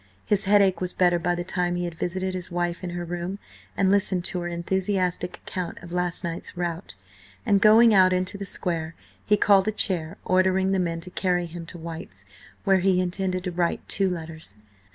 His headache was better by the time he had visited his wife in her room, and listened to her enthusiastic account of last night's rout, and, going out into the square, he called a chair, ordering the men to carry him to White's, where he intended to write two letters.